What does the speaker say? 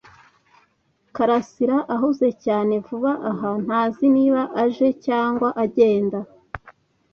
karasira ahuze cyane vuba aha ntazi niba aje cyangwa agenda.